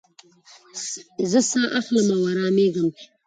زه ساه اخلم او ارامېږم.